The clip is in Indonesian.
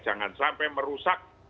jangan sampai merusak